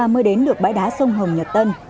mới đến được bãi đá sông hồng nhật tân